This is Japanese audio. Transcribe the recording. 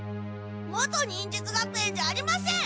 元忍術学園じゃありません！